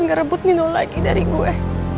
nggak rebut nino lagi dari gue